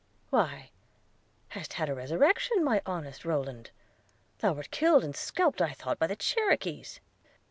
– why, hast had a resurrection, my honest Rowland? – Thou wert killed and scalped, I thought, by the Cherokees.'